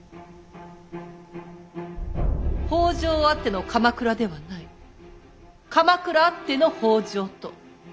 北条あっての鎌倉ではない鎌倉あっての北条と。